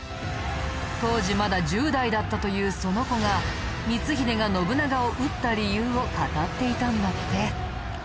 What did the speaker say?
当時まだ１０代だったというその子が光秀が信長を討った理由を語っていたんだって。